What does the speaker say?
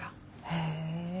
へぇ。